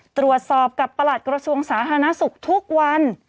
ตรวจสอบกับประหลัดกระทรวงสาธารณสุขทุกวัน